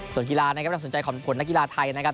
ส่วนกีฬานะครับน่าสนใจของผลนักกีฬาไทยนะครับ